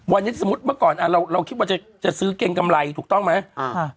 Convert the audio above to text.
วันนี้สมมุติเมื่อก่อนเราคิดว่าจะซื้อเกรงกำไรถูกต้องไหม